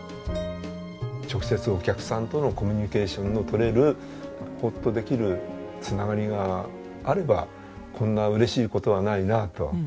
直接お客さんとのコミュニケーションの取れるホッとできる繋がりがあればこんな嬉しい事はないなと。